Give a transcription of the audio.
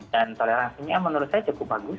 dan toleransinya menurut saya cukup bagus